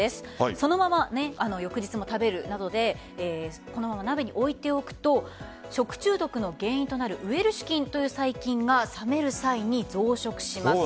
そのまま翌日も食べるなどでこのまま鍋に置いておくと食中毒の原因となるウエルシュ菌という細菌が冷める際に増殖します。